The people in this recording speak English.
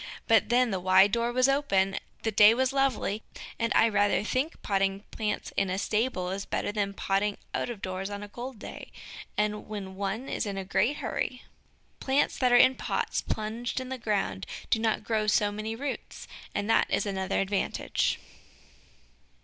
But then the wide door was open, the day was lovely, and I rather think potting plants in a stable is better than potting out of doors on a cold day, and when one is in a great hurry. Plants that are in pots plunged in the ground do not grow so many roots, and that is another advantage.